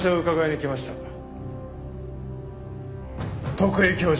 徳井教授。